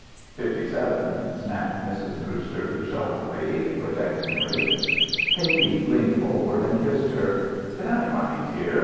"Fifty seven," snapped Mrs. Brewster sharply, protectingly. Pinky leaned forward and kissed her. "Good night, mummy dear.